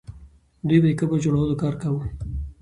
دوی به د قبر د جوړولو کار کاوه.